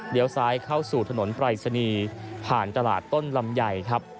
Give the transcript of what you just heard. เดี๋ยวซ้ายเข้าสู่ถนนปรายศนีย์ผ่านตลาดต้นลำไยครับ